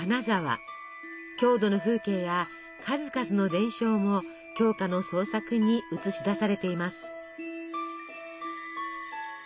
郷土の風景や数々の伝承も鏡花の創作に映し出されています。